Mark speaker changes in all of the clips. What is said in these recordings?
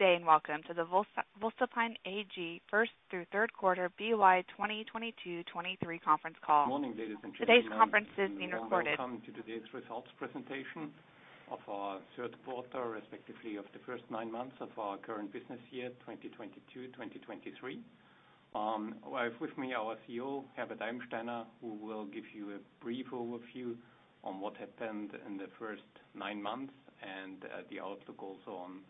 Speaker 1: Welcome to the voestalpine AG first through third quarter FY 2022/2023 conference call.
Speaker 2: Morning, ladies and gentlemen.
Speaker 1: Today's conference is being recorded.
Speaker 2: Welcome to today's results presentation of our third quarter, respectively, of the first 9 months of our current business year, 2022/2023. I have with me our CEO, Herbert Eibensteiner, who will give you a brief overview on what happened in the first 9 months and the outlook also on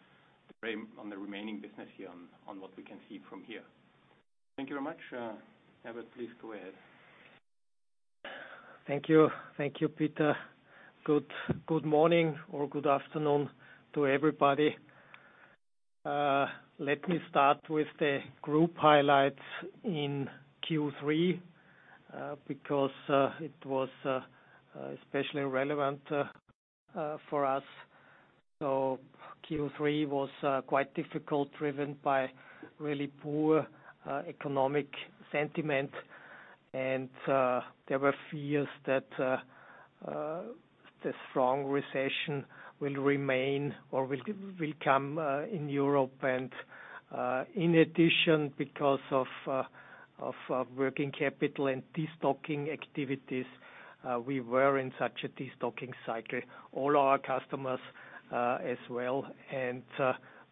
Speaker 2: the remaining business year and on what we can see from here. Thank you very much. Herbert, please go ahead.
Speaker 3: Thank you. Thank you, Peter. Good morning or good afternoon to everybody. Let me start with the group highlights in Q3, because it was especially relevant for us. Q3 was quite difficult, driven by really poor economic sentiment. There were fears that the strong recession will remain or will come in Europe. In addition, because of working capital and destocking activities, we were in such a destocking cycle, all our customers as well, and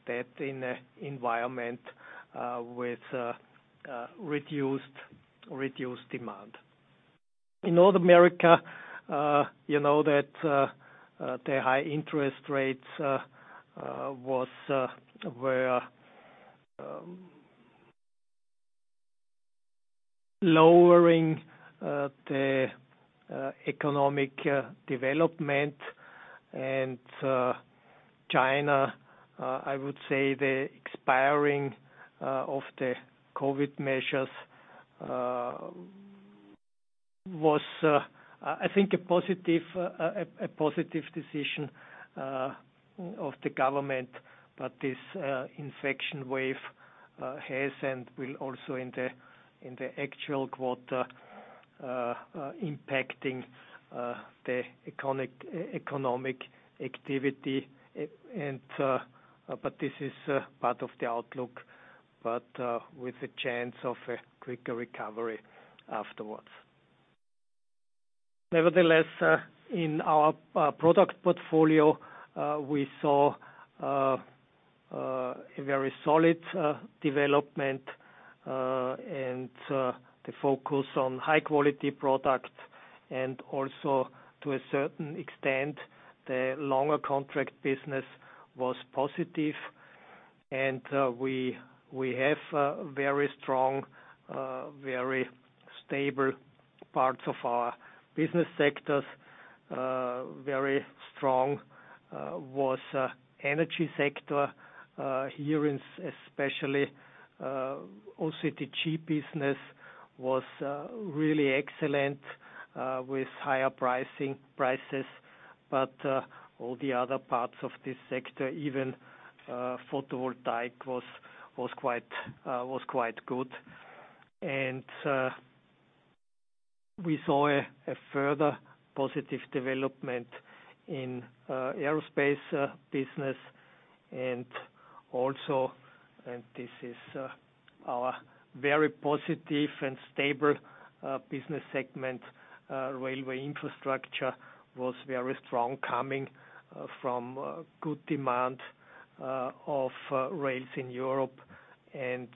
Speaker 3: that in a environment with reduced demand. In North America, you know that the high interest rates were lowering the economic development. China, I would say the expiring of the COVID measures was I think a positive, a positive decision of the government. This infection wave has and will also in the actual quarter impacting the economic activity. This is part of the outlook, but with a chance of a quicker recovery afterwards. Nevertheless, in our product portfolio, we saw a very solid development, and the focus on high quality product and also to a certain extent, the longer contract business was positive. We have very strong, very stable parts of our business sectors. Very strong was energy sector here in especially OCTG business was really excellent with higher pricing. All the other parts of this sector, even photovoltaic was quite good. We saw a further positive development in aerospace business. This is our very positive and stable business segment, railway infrastructure was very strong coming from good demand of rails in Europe and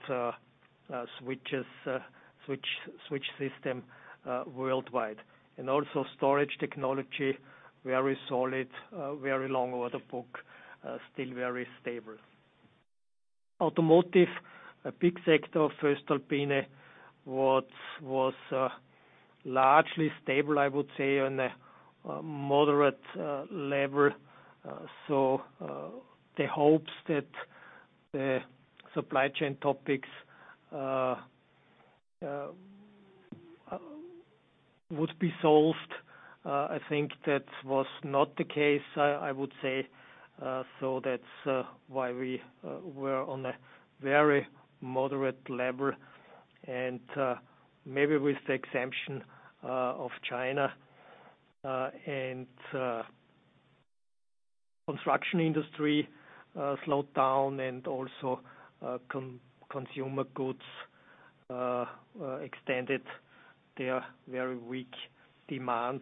Speaker 3: switches, switch system worldwide. Storage technology, very solid, very long order book, still very stable. Automotive, a big sector of voestalpine, was largely stable, I would say, on a moderate level. The hopes that the supply chain topics would be solved, I think that was not the case, I would say. That's why we were on a very moderate level and maybe with the exemption of China, and construction industry slowed down and also consumer goods extended their very weak demand.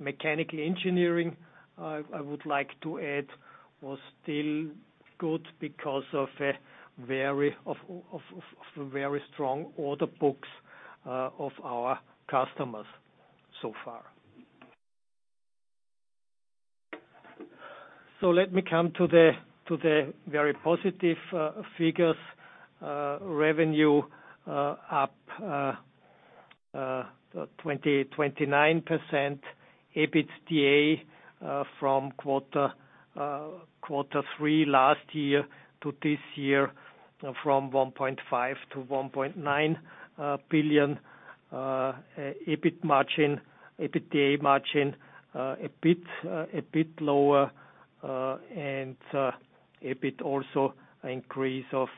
Speaker 3: Mechanical engineering, I would like to add, was still good because of a very strong order books of our customers so far. Let me come to the very positive figures. Revenue up 29%. EBITDA from quarter three last year to this year, from 1.5 billion-1.9 billion. EBITDA margin a bit lower, and EBIT also increase of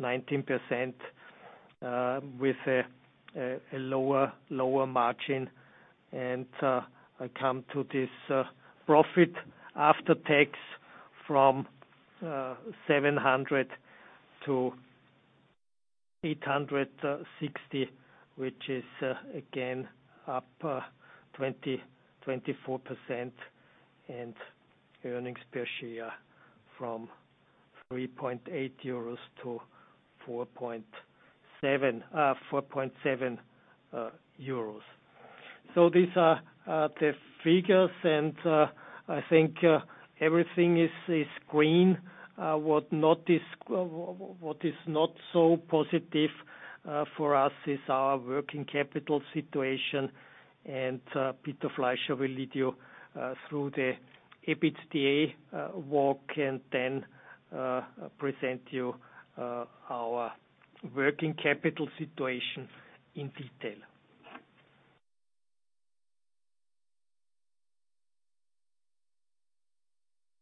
Speaker 3: 19%. With a lower margin. I come to this profit after tax from 700-860, which is again, up 24% and earnings per share from 3.8-4.7 euros EUR. These are the figures, and I think everything is green. What is not so positive for us is our working capital situation. Peter Fleischer will lead you through the EBITDA walk and then present you our working capital situation in detail.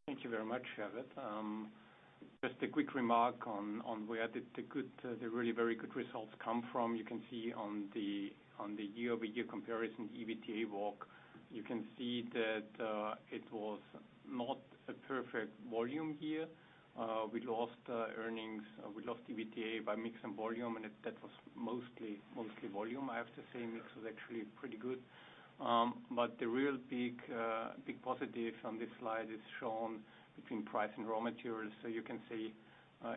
Speaker 2: Thank you very much, Herbert. Just a quick remark on where the really very good results come from. You can see on the year-over-year comparison EBITDA walk, you can see that it was not a perfect volume year. We lost earnings, we lost EBITDA by mix and volume, that was mostly volume, I have to say. Mix was actually pretty good. The real big positive from this slide is shown between price and raw materials. You can see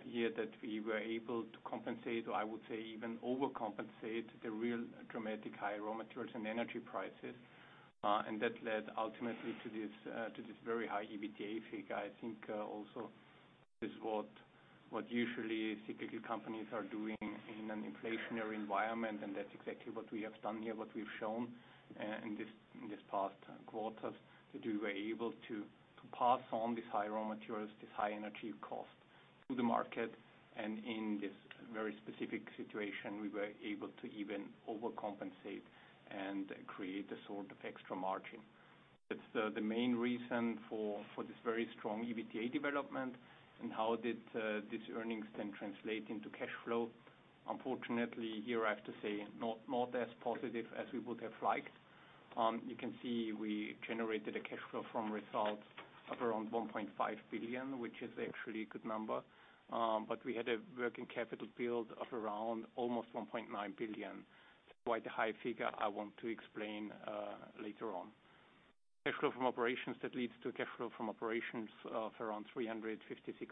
Speaker 2: here that we were able to compensate, or I would say even overcompensate, the real dramatic high raw materials and energy prices. That led ultimately to this very high EBITDA figure. I think, also this is what usually CPG companies are doing in an inflationary environment, that's exactly what we have done here, what we've shown in this, in this past quarters, that we were able to pass on these high raw materials, this high energy cost to the market. In this very specific situation, we were able to even overcompensate and create a sort of extra margin. That's the main reason for this very strong EBITDA development. How did these earnings then translate into cash flow? Unfortunately, here I have to say not as positive as we would have liked. You can see we generated a cash flow from results of around 1.5 billion, which is actually a good number. We had a working capital build of around almost 1.9 billion. Quite a high figure I want to explain, later on. Cash flow from operations, that leads to cash flow from operations of around 356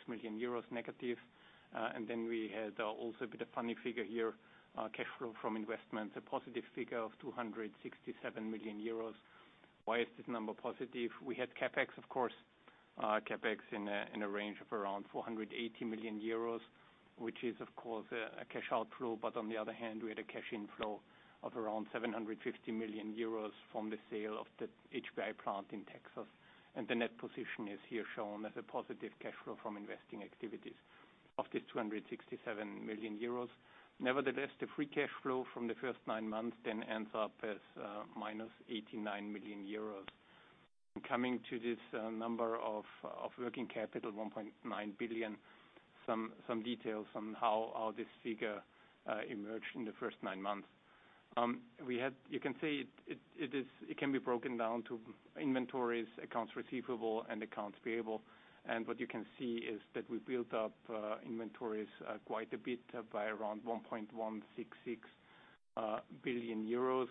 Speaker 2: million euros negative. Then we had also a bit of funny figure here, cash flow from investments, a positive figure of 267 million euros. Why is this number positive? We had CapEx, of course, CapEx in a range of around 480 million euros, which is of course a cash outflow. On the other hand, we had a cash inflow of around 750 million euros from the sale of the HBI plant in Texas. The net position is here shown as a positive cash flow from investing activities of this 267 million euros. Nevertheless, the free cash flow from the first nine months then ends up as minus 89 million euros. Coming to this number of working capital, 1.9 billion, some details on how this figure emerged in the first nine months. You can see it can be broken down to inventories, accounts receivable and accounts payable. What you can see is that we built up inventories quite a bit by around 1.166 billion euros.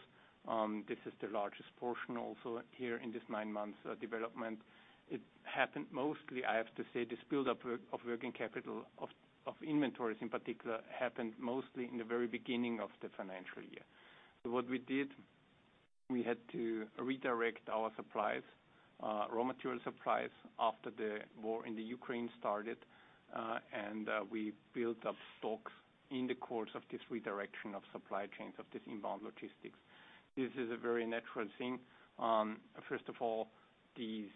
Speaker 2: This is the largest portion also here in this nine months development. It happened mostly, I have to say, this buildup work of working capital of inventories in particular, happened mostly in the very beginning of the financial year. What we did, we had to redirect our supplies, raw material supplies, after the war in the Ukraine started, and we built up stocks in the course of this redirection of supply chains of this inbound logistics. This is a very natural thing. First of all, these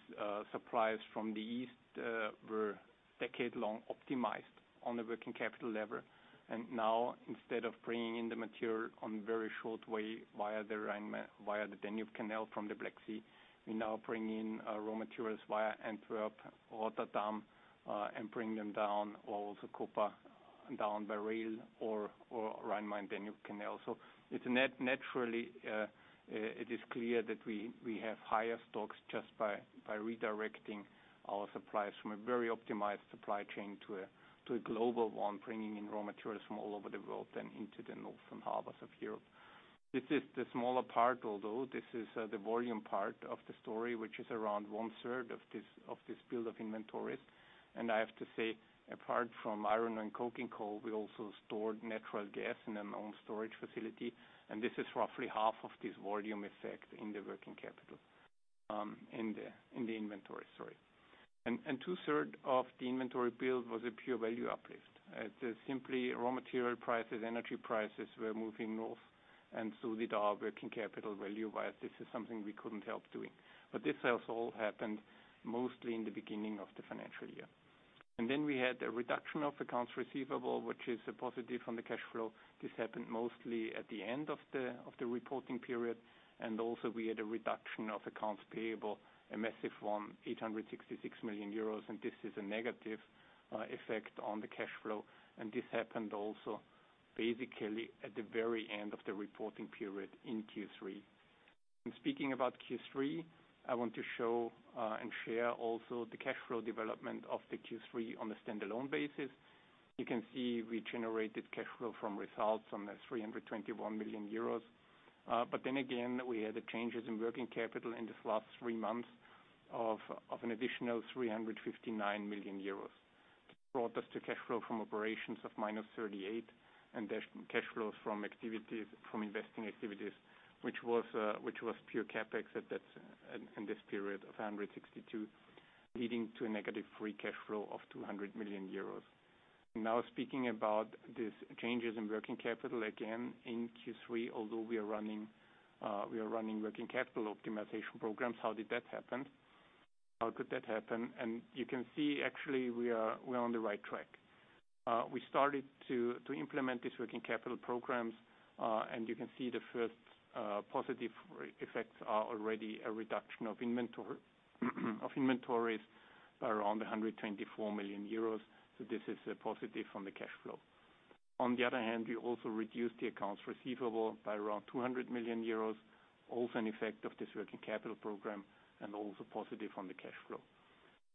Speaker 2: supplies from the east were decade-long optimized on a working capital level. Now instead of bringing in the material on very short way via the Rhine via the Danube Canal from the Black Sea, we now bring in raw materials via Antwerp, Rotterdam, and bring them down all the Copa and down by rail or Rhine-Main-Danube Canal. It's naturally, it is clear that we have higher stocks just by redirecting our supplies from a very optimized supply chain to a global one, bringing in raw materials from all over the world and into the northern harbors of Europe. This is the smaller part, although this is the volume part of the story, which is around one-third of this build of inventories. I have to say, apart from iron and coking coal, we also stored natural gas in an own storage facility, and this is roughly half of this volume effect in the working capital, in the inventory, sorry. Two-third of the inventory build was a pure value uplift. The simply raw material prices, energy prices were moving north, and so did our working capital value. While this is something we couldn't help doing. This also all happened mostly in the beginning of the financial year. Then we had a reduction of accounts receivable, which is a positive on the cash flow. This happened mostly at the end of the reporting period. Also we had a reduction of accounts payable, a massive one, 866 million euros, and this is a negative effect on the cash flow. This happened also basically at the very end of the reporting period in Q3. Speaking about Q3, I want to show and share also the cash flow development of the Q3 on a standalone basis. You can see we generated cash flow from results from the 321 million euros. We had the changes in working capital in this last three months of an additional 359 million euros. Brought us to cash flow from operations of -38, the cash flows from activities, from investing activities which was pure CapEx at that, in this period of 162, leading to a negative free cash flow of 200 million euros. Speaking about these changes in working capital, again in Q3, although we are running working capital optimization programs, how did that happen? How could that happen? You can see actually we're on the right track. We started to implement these working capital programs, and you can see the first positive re-effects are already a reduction of inventories by around 124 million euros. This is a positive from the cash flow. On the other hand, we also reduced the accounts receivable by around 200 million euros, also an effect of this working capital program and also positive on the cash flow.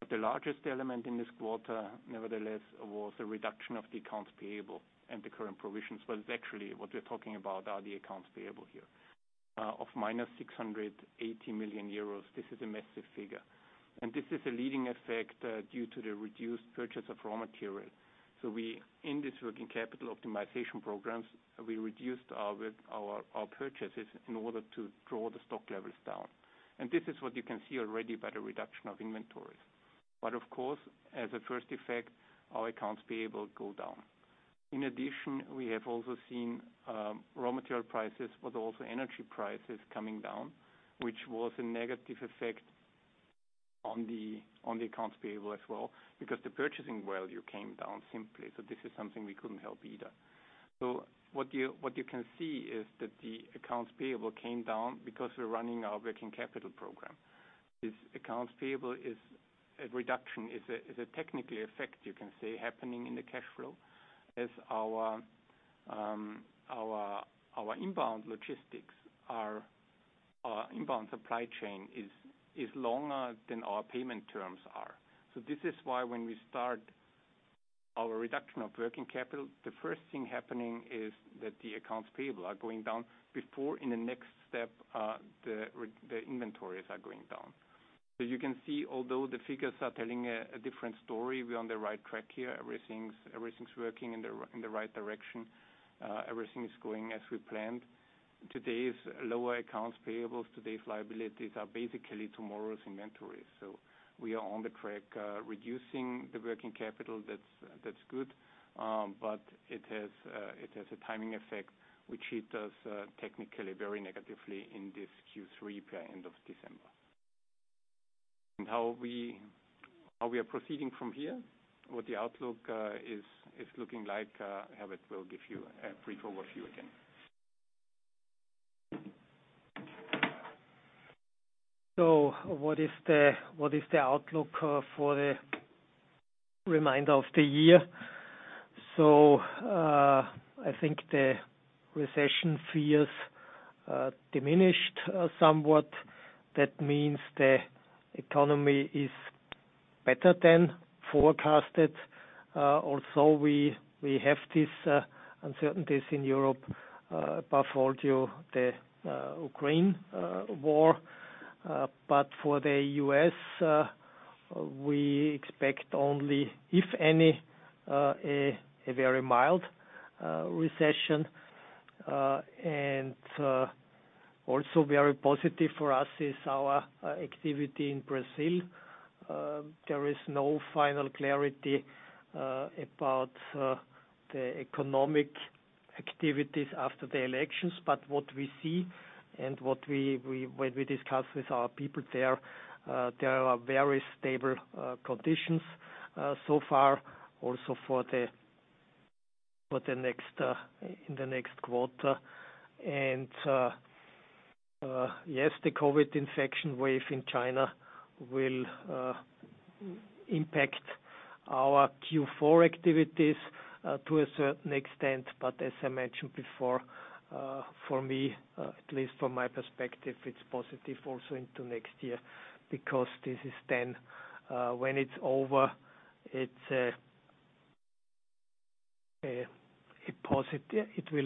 Speaker 2: The largest element in this quarter, nevertheless, was the reduction of the accounts payable and the current provisions. Well, actually, what we're talking about are the accounts payable here. Of -680 million euros. This is a massive figure. This is a leading effect due to the reduced purchase of raw materials. We, in this working capital optimization programs, we reduced our purchases in order to draw the stock levels down. This is what you can see already by the reduction of inventories. Of course, as a first effect, our accounts payable go down. In addition, we have also seen raw material prices, but also energy prices coming down, which was a negative effect on the accounts payable as well, because the purchasing value came down simply. This is something we couldn't help either. What you can see is that the accounts payable came down because we're running our working capital program. This accounts payable is a reduction, is a technical effect, you can say, happening in the cash flow as our inbound logistics are, our inbound supply chain is longer than our payment terms are. This is why when we start our reduction of working capital, the first thing happening is that the accounts payable are going down before in the next step, the inventories are going down. You can see, although the figures are telling a different story, we're on the right track here. Everything's working in the right direction. Everything is going as we planned. Today's lower accounts payables, today's liabilities are basically tomorrow's inventories. We are on the track, reducing the working capital. That's good. It has a timing effect, which hit us technically very negatively in this Q3 by end of December. How we are proceeding from here, what the outlook is looking like, Herbert will give you a brief overview again.
Speaker 3: What is the outlook for the remainder of the year? I think the recession fears diminished somewhat. That means the economy is better than forecasted. Also we have these uncertainties in Europe, above all due the Ukraine war. For the U.S., we expect only, if any, a very mild recession. Also very positive for us is our activity in Brazil. There is no final clarity about the economic activities after the elections, but what we see and what we, when we discuss with our people there are very stable conditions so far also for the next in the next quarter. Yes, the COVID infection wave in China will impact our Q4 activities to a certain extent. As I mentioned before, for me, at least from my perspective, it's positive also into next year because this is then, when it's over, it will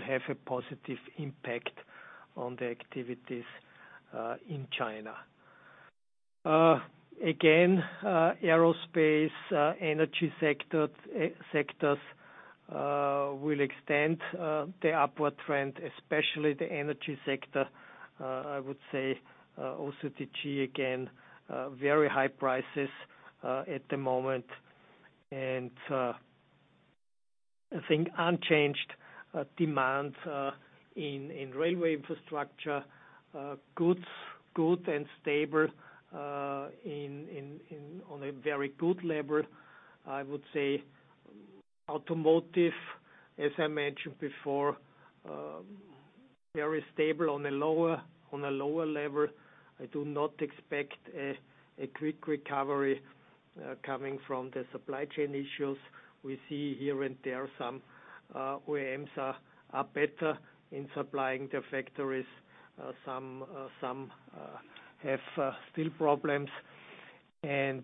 Speaker 3: have a positive impact on the activities in China. Again, aerospace, energy sectors will extend the upward trend, especially the energy sector. I would say also the G again, very high prices at the moment. I think unchanged demand in railway infrastructure, goods, good and stable on a very good level. I would say automotive, as I mentioned before, very stable on a lower level. I do not expect a quick recovery coming from the supply chain issues. We see here and there some OEMs are better in supplying their factories. Some have still problems. I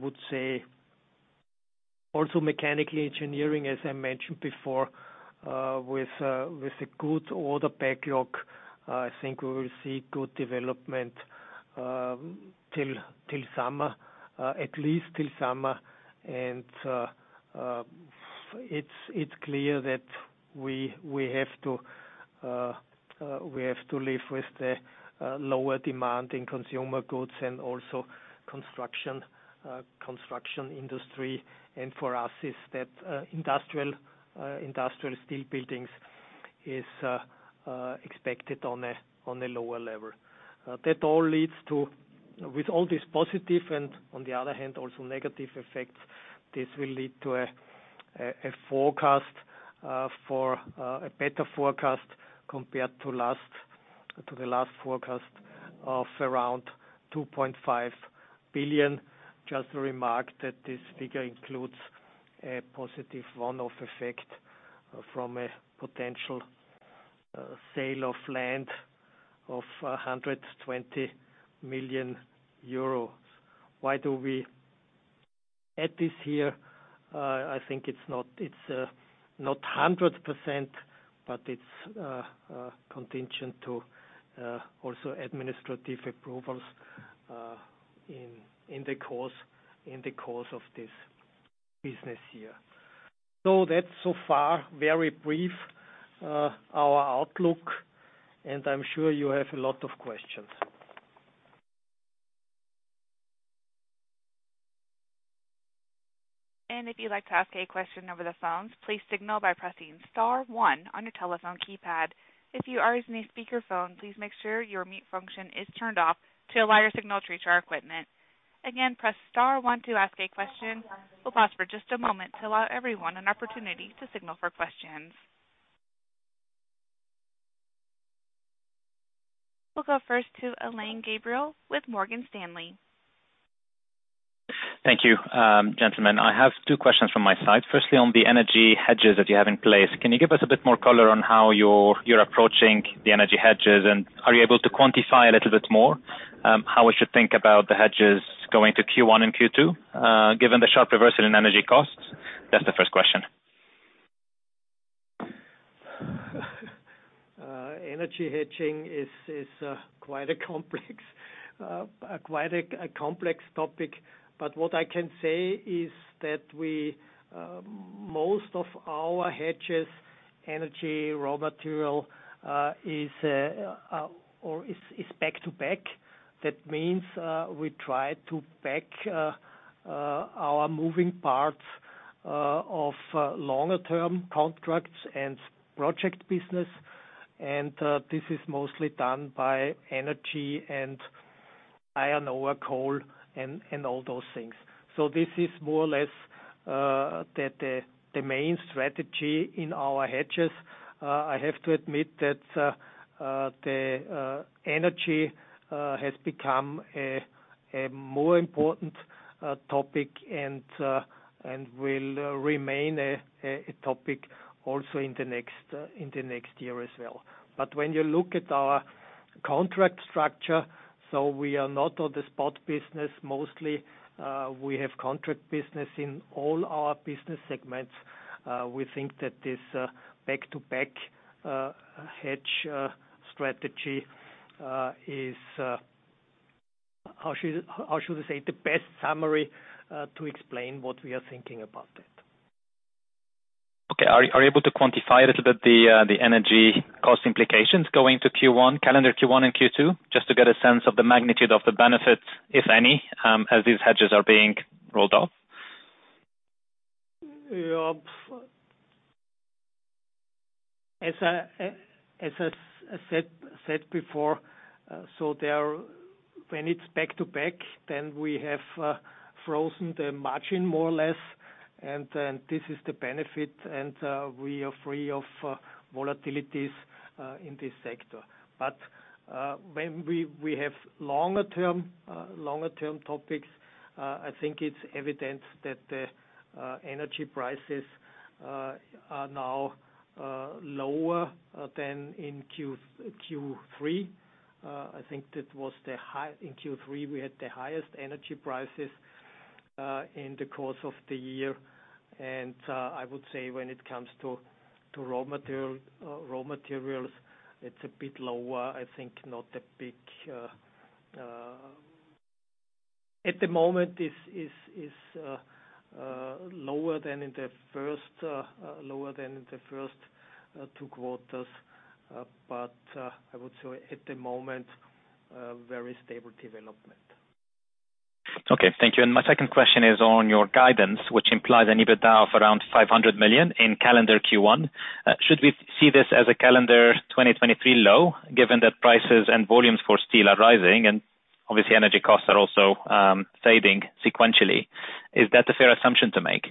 Speaker 3: would say also mechanical engineering, as I mentioned before, with a good order backlog, I think we will see good development till summer, at least till summer. It's clear that we have to live with the lower demand in consumer goods and also construction industry. For us is that industrial steel buildings is expected on a lower level. That all leads to... With all this positive and on the other hand, also negative effects, this will lead to a forecast for a better forecast compared to the last forecast of around 2.5 billion. Just to remark that this figure includes a positive one-off effect from a potential sale of land of 120 million euros. Why do we add this here? I think it's not 100%, but it's contingent to also administrative approvals in the course of this business year. That's so far very brief, our outlook, and I'm sure you have a lot of questions.
Speaker 1: If you'd like to ask a question over the phones, please signal by pressing star one on your telephone keypad. If you are using a speakerphone, please make sure your mute function is turned off to allow your signal to reach our equipment. Again, press star one to ask a question. We'll pause for just a moment to allow everyone an opportunity to signal for questions. We'll go first to Alain Gabriel with Morgan Stanley.
Speaker 4: Thank you, gentlemen. I have two questions from my side. Firstly, on the energy hedges that you have in place, can you give us a bit more color on how you're approaching the energy hedges? Are you able to quantify a little bit more how we should think about the hedges going to Q1 and Q2 given the sharp reversal in energy costs? That's the first question.
Speaker 3: Energy hedging is quite a complex, quite a complex topic. What I can say is that we, most of our hedges energy raw material, is or is back to back. That means, we try to back our moving parts of longer-term contracts and project business. This is mostly done by energy and iron ore, coal and all those things. This is more or less the main strategy in our hedges. I have to admit that the energy has become a more important topic and will remain a topic also in the next year as well. When you look at our contract structure, we are not on the spot business mostly. We have contract business in all our business segments. We think that this back-to-back hedge strategy is how should I say, the best summary to explain what we are thinking about it.
Speaker 4: Okay. Are you able to quantify a little bit the energy cost implications going to Q1, calendar Q2 and Q2? Just to get a sense of the magnitude of the benefits, if any, as these hedges are being rolled off.
Speaker 3: As I said before, when it's back-to-back, then we have frozen the margin more or less, and then this is the benefit, and we are free of volatilities in this sector. When we have longer term topics, I think it's evident that the energy prices are now lower than in Q3. I think that was the high. In Q3, we had the highest energy prices in the course of the year. I would say when it comes to raw materials, it's a bit lower. I think not a big. At the moment is lower than in the first two quarters. I would say at the moment, very stable development.
Speaker 4: Okay. Thank you. My second question is on your guidance, which implies an EBITDA of around 500 million in calendar Q1. Should we see this as a calendar 2023 low, given that prices and volumes for steel are rising and obviously energy costs are also saving sequentially? Is that a fair assumption to make?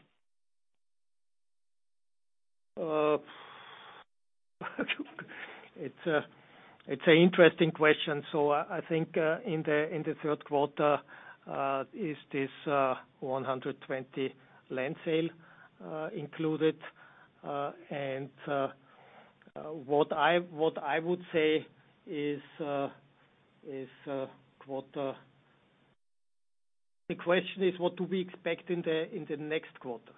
Speaker 3: It's a interesting question. I think, in the third quarter, is this 120 land sale, included. What I would say is, The question is what do we expect in the next quarter?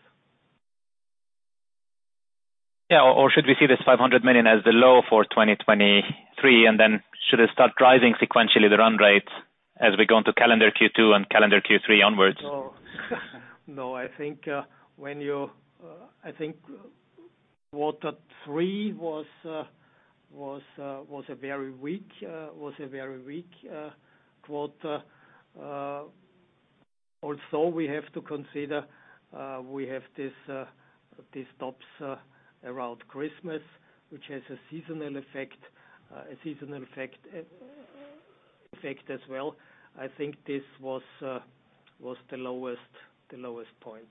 Speaker 4: Yeah. Should we see this 500 million as the low for 2023, and then should it start driving sequentially the run rate as we go into calendar Q2 and calendar Q3 onwards?
Speaker 3: No. No, I think, when you, I think quarter three was a very weak quarter. Also we have to consider, we have these stops around Christmas, which has a seasonal effect as well. I think this was the lowest point.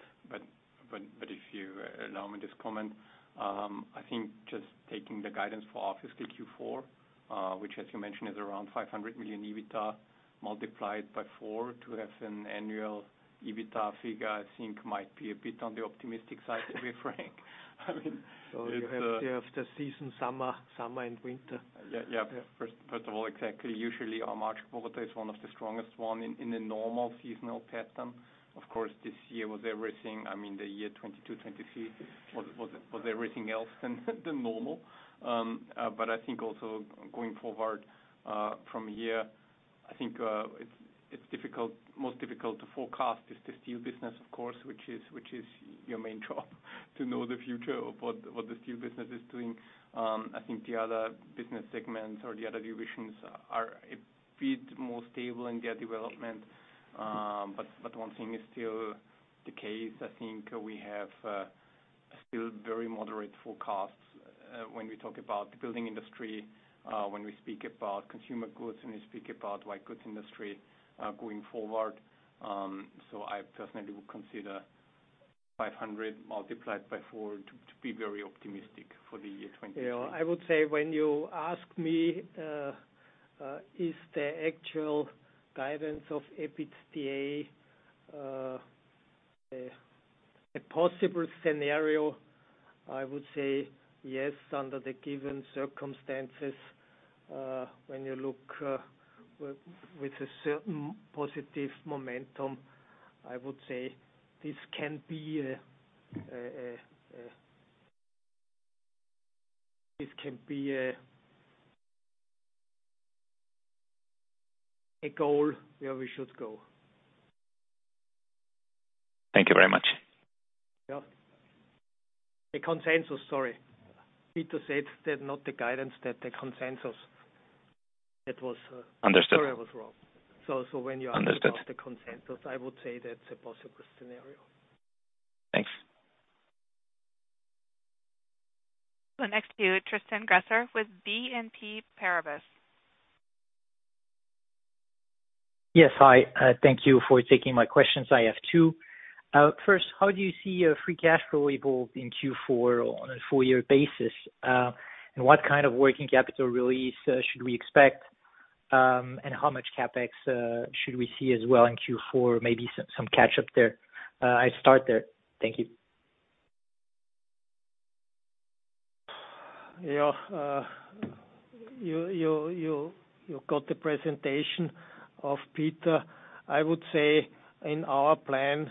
Speaker 2: If you allow me this comment, I think just taking the guidance for obviously Q4, which as you mentioned is around 500 million EBITDA multiplied by four to have an annual EBITDA figure, I think might be a bit on the optimistic side, to be frank. I mean, it's. You have the season summer and winter. Yeah. First of all, exactly. Usually our March quarter is one of the strongest one in a normal seasonal pattern. Of course, this year was everything. I mean, the year 2022, 2023 was everything else than normal. I think also going forward from here, I think it's most difficult to forecast is the steel business of course, which is your main job, to know the future of what the steel business is doing. I think the other business segments or the other divisions are a bit more stable in their development. One thing is still the case, I think we have still very moderate forecasts when we talk about the building industry, when we speak about consumer goods, when we speak about white goods industry going forward. I personally would consider 500 multiplied by four to be very optimistic for the year 23.
Speaker 3: Yeah. I would say when you ask me, is the actual guidance of EBITDA a possible scenario, I would say yes, under the given circumstances. When you look, with a certain positive momentum, I would say this can be a goal where we should go.
Speaker 4: Thank you very much.
Speaker 3: Yeah. The consensus, sorry. Peter said that not the guidance, that the consensus that was.
Speaker 4: Understood.
Speaker 3: Sorry, I was wrong. When you ask about.
Speaker 4: Understood.
Speaker 3: The consensus, I would say that's a possible scenario.
Speaker 4: Thanks.
Speaker 1: Next to Tristan Gresser with BNP Paribas.
Speaker 5: Yes. Hi, thank you for taking my questions. I have two. First, how do you see free cash flow evolve in Q4 on a four-year basis? What kind of working capital release should we expect? How much CapEx should we see as well in Q4? Maybe some catch up there. I start there. Thank you.
Speaker 3: Yeah. You got the presentation of Peter. I would say in our plan,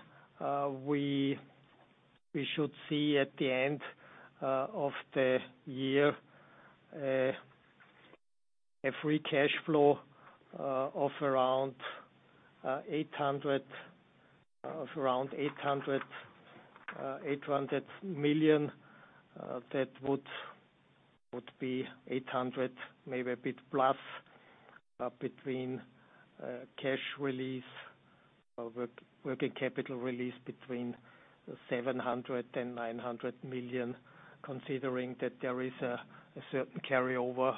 Speaker 3: we should see at the end of the year a free cash flow of around 800 million. That would be 800 million, maybe a bit plus, between cash release or working capital release between 700 million-900 million, considering that there is a certain carryover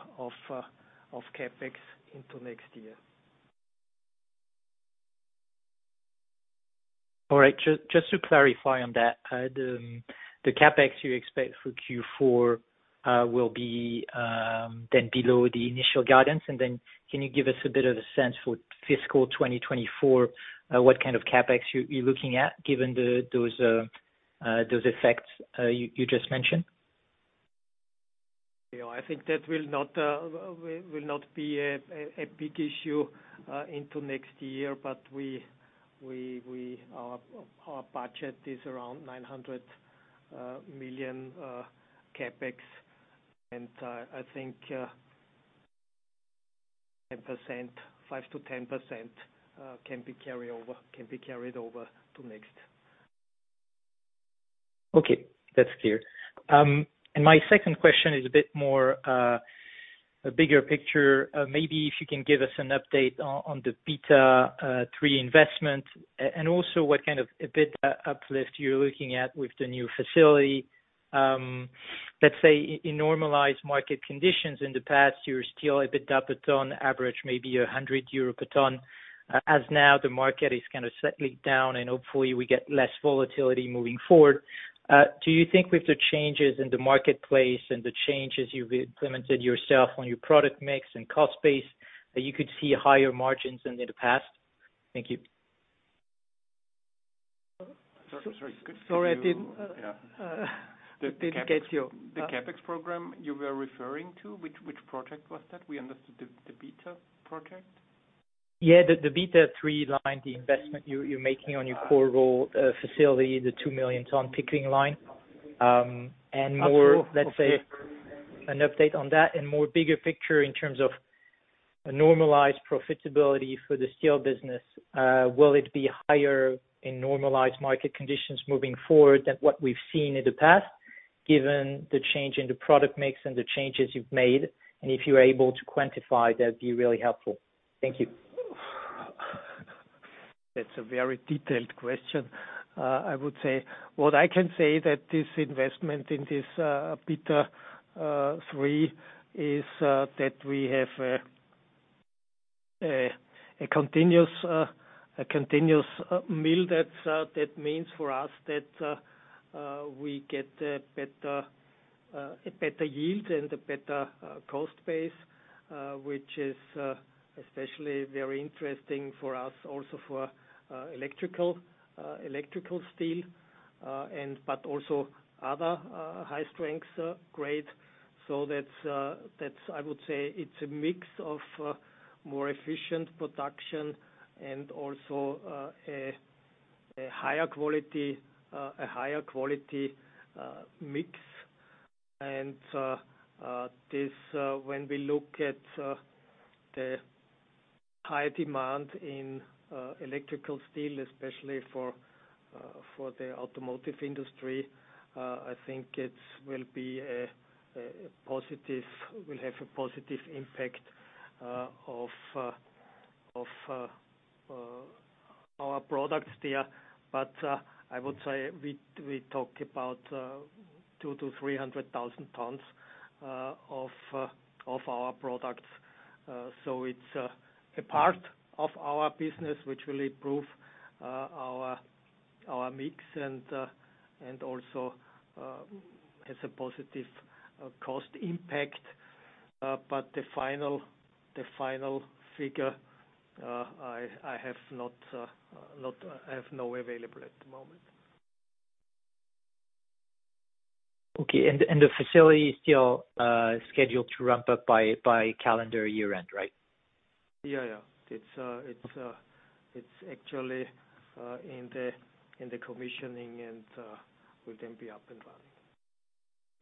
Speaker 3: of CapEx into next year.
Speaker 5: All right. Just to clarify on that, the CapEx you expect for Q4 will be then below the initial guidance, can you give us a bit of a sense for fiscal 2024, what kind of CapEx you're looking at given those effects you just mentioned?
Speaker 3: I think that will not be a big issue into next year, but our budget is around 900 million CapEx and I think 10%, 5%-10% can be carried over to next.
Speaker 5: Okay, that's clear. My second question is a bit more, a bigger picture. Maybe if you can give us an update on the BETA 3 investment and also what kind of EBITDA uplift you're looking at with the new facility. Let's say in normalized market conditions in the past, your steel EBITDA per ton average maybe 100 euro per ton. As now, the market is kind of slightly down, and hopefully we get less volatility moving forward. Do you think with the changes in the marketplace and the changes you've implemented yourself on your product mix and cost base, that you could see higher margins than in the past? Thank you.
Speaker 3: Sorry.
Speaker 5: Sorry, I didn't.
Speaker 3: Yeah.
Speaker 5: didn't get you.
Speaker 3: The CapEx program you were referring to, which project was that? We understood the Beta project.
Speaker 5: Yeah, the BETA 3 line, the investment you're making on your core role, facility, the 2 million ton pickling line. More-
Speaker 3: That's true. Okay.
Speaker 5: Let's say an update on that, and more bigger picture in terms of a normalized profitability for the steel business. Will it be higher in normalized market conditions moving forward than what we've seen in the past, given the change in the product mix and the changes you've made? If you're able to quantify, that'd be really helpful. Thank you.
Speaker 3: That's a very detailed question. I would say, what I can say that this investment in this BETA 3 is that we have a continuous mill. That that means for us that we get a better yield and a better cost base which is especially very interesting for us also for electrical steel but also other high strengths grade. That's I would say it's a mix of more efficient production and also a higher quality mix. This, when we look at the high demand in electrical steel, especially for the automotive industry, I think it will be a positive, will have a positive impact of our products there. I would say we talked about 200,000-300,000 tons of our products. It's a part of our business which will improve our mix and also has a positive cost impact. The final figure, I have not, I have no available at the moment.
Speaker 5: Okay. The facility is still scheduled to ramp up by calendar year-end, right?
Speaker 3: Yeah, yeah. It's actually in the commissioning and will then be up and running.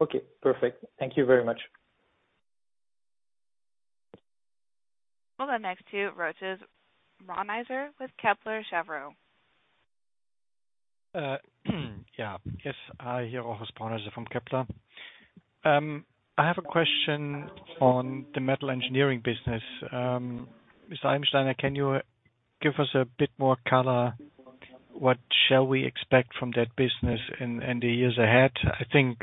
Speaker 5: Okay, perfect. Thank you very much.
Speaker 1: We'll go next to Rochus Brauneiser with Kepler Cheuvreux.
Speaker 6: Yes, here Rochus Brauneiser from Kepler. I have a question on the metal engineering business. Herbert Eibensteiner, can you give us a bit more color, what shall we expect from that business in the years ahead? I think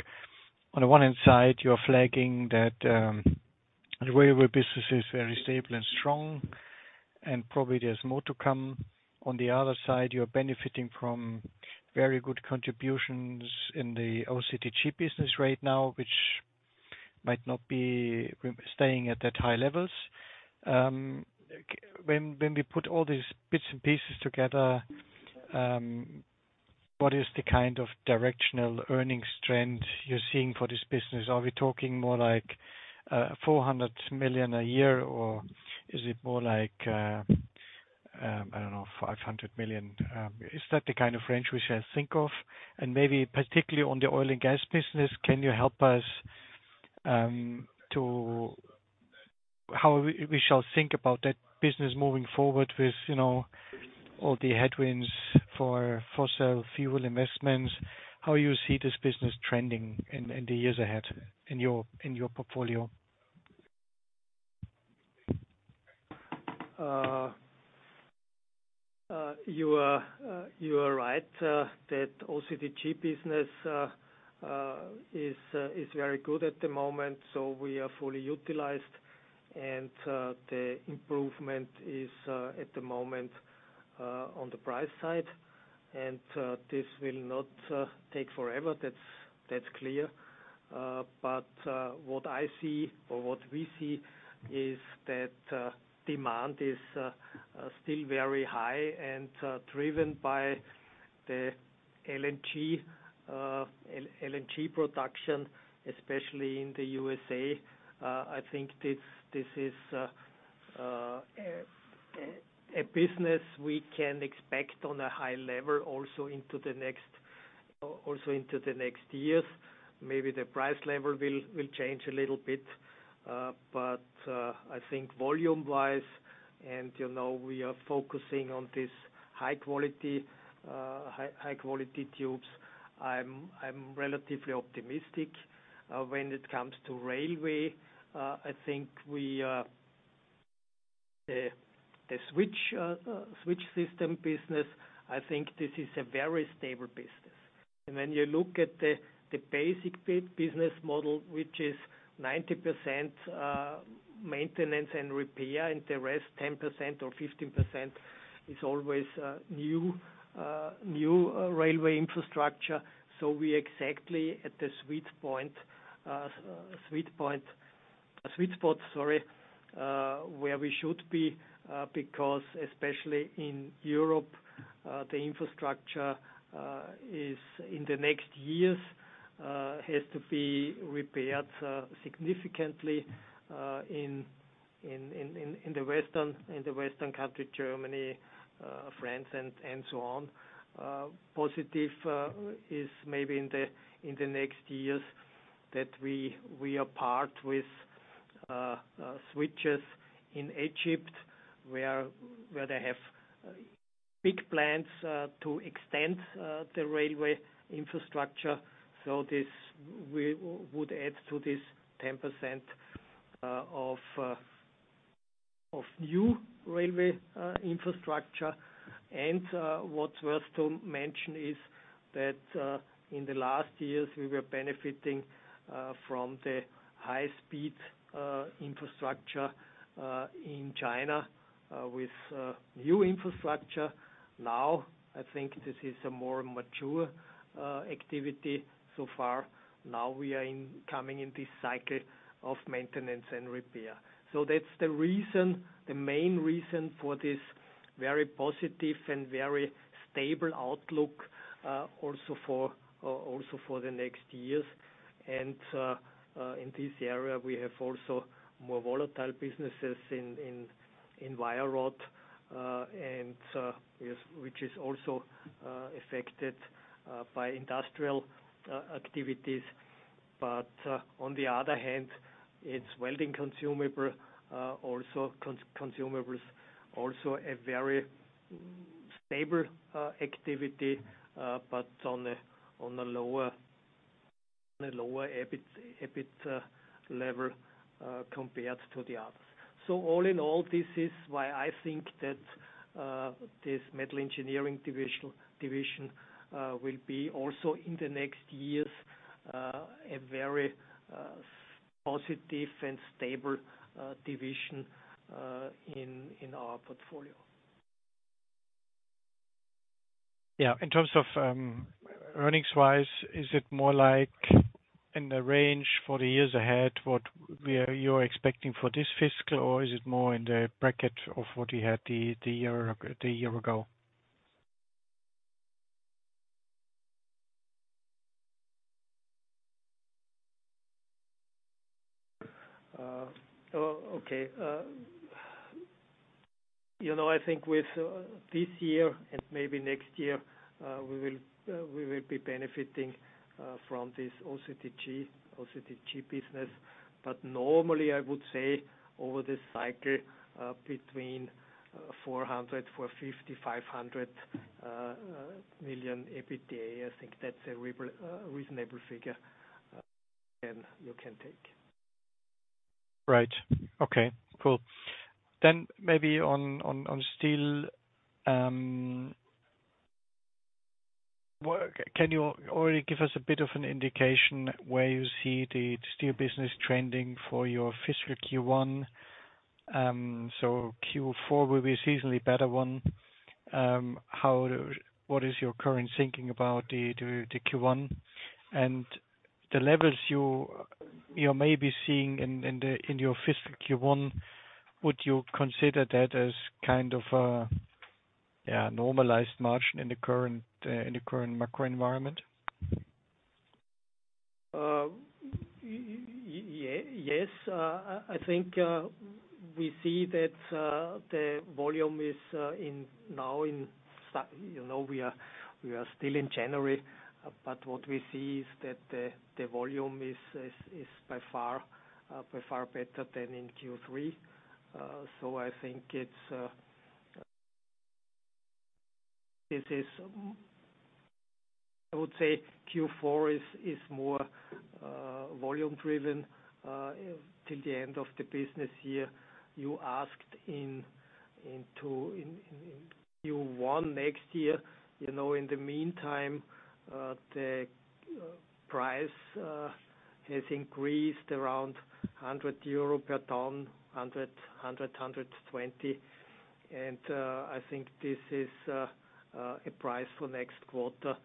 Speaker 6: on the one hand side, you're flagging that the railway business is very stable and strong, and probably there's more to come. On the other side, you're benefiting from very good contributions in the OCTG business right now, which might not be staying at that high levels. When we put all these bits and pieces together, what is the kind of directional earnings trend you're seeing for this business? Are we talking more like 400 million a year, or is it more like, I don't know, 500 million? Is that the kind of range we should think of? Maybe particularly on the oil and gas business, can you help us to how we shall think about that business moving forward with, you know, all the headwinds for fossil fuel investments, how you see this business trending in the years ahead in your portfolio?
Speaker 3: You are right, that OCTG business is very good at the moment, so we are fully utilized. The improvement is at the moment on the price side. This will not take forever. That's clear. What I see or what we see is that demand is still very high and driven by the LNG production, especially in the USA. I think this is a business we can expect on a high level also into the next years. Maybe the price level will change a little bit, but I think volume-wise and, you know, we are focusing on this high-quality tubes. I'm relatively optimistic. When it comes to railway, I think we, the switch system business, I think this is a very stable business. When you look at the basic business model, which is 90% maintenance and repair, and the rest, 10% or 15% is always new railway infrastructure. We exactly at the sweet spot, sorry, where we should be, because especially in Europe, the infrastructure is in the next years has to be repaired significantly in the Western country, Germany, France and so on. Positive is maybe in the next years that we are part with switches in Egypt where they have big plans to extend the railway infrastructure. This we would add to this 10% of new railway infrastructure. What's worth to mention is that in the last years, we were benefiting from the high speed infrastructure in China with new infrastructure. Now, I think this is a more mature activity so far. Now we are coming in this cycle of maintenance and repair. That's the reason, the main reason for this very positive and very stable outlook, also for the next years. In this area, we have also more volatile businesses in wire rod, and yes, which is also affected by industrial activities. On the other hand, it's welding consumable, also consumables, also a very stable activity, but on a lower EBIT, EBITDA level, compared to the others. All in all, this is why I think that this metal engineering division will be also in the next years a very positive and stable division in our portfolio.
Speaker 6: Yeah. In terms of, earnings-wise, is it more like in the range for the years ahead, what you're expecting for this fiscal? Or is it more in the bracket of what you had the year ago?
Speaker 3: Okay, you know, I think with this year and maybe next year, we will be benefiting from this OCTG business. Normally, I would say over this cycle, between 400 million-500 million EBITDA, I think that's a reasonable figure, and you can take.
Speaker 6: Right. Okay, cool. Maybe on, on steel, work, can you already give us a bit of an indication where you see the steel business trending for your fiscal Q1? Q4 will be a seasonally better one. What is your current thinking about the Q1 and the levels you may be seeing in the, in your fiscal Q1? Would you consider that as kind of a, yeah, normalized margin in the current macro environment?
Speaker 3: Yes. I think, we see that the volume is in now in sta- you know, we are, we are still in January, but what we see is that the volume is by far better than in Q3. So I think it's, this is, I would say Q4 is more volume-driven till the end of the business year. You asked in, into, in, in Q1 next year. You know, in the meantime, the price has increased around 100 euro per ton, 100, 100, 120. I think this is a price for next quarter,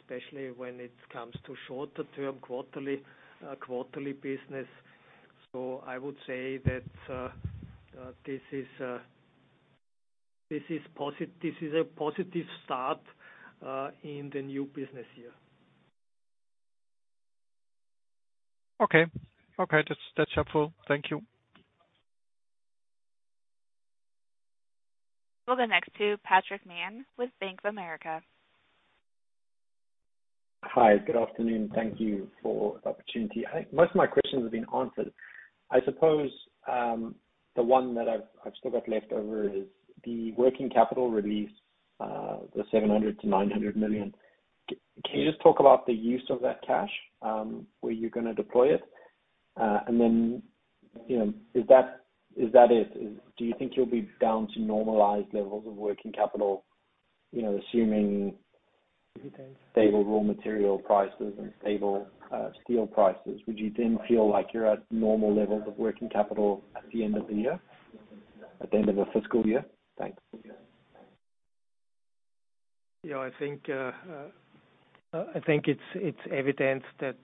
Speaker 3: especially when it comes to shorter term quarterly business. I would say that this is a positive start in the new business year.
Speaker 6: Okay. Okay. That's, that's helpful. Thank you.
Speaker 1: We'll go next to Patrick Mann with Bank of America.
Speaker 7: Hi. Good afternoon. Thank you for the opportunity. I think most of my questions have been answered. I suppose, the one that I've still got left over is the working capital release, the 700 million-900 million. Can you just talk about the use of that cash, where you're gonna deploy it? Then, you know, is that it? Do you think you'll be down to normalized levels of working capital, you know, assuming stable raw material prices and stable steel prices? Would you then feel like you're at normal levels of working capital at the end of the year, at the end of the fiscal year? Thanks.
Speaker 3: Yeah, I think it's evident that